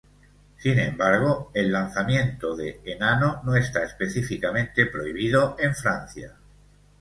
Sin embargo, el lanzamiento de enano no está específicamente prohibido en Francia.